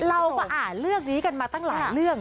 เราก็อ่านเรื่องนี้กันมาตั้งหลายเรื่อง